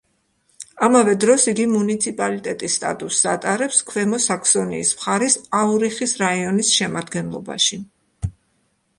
ამავე დროს, იგი მუნიციპალიტეტის სტატუსს ატარებს ქვემო საქსონიის მხარის აურიხის რაიონის შემადგენლობაში.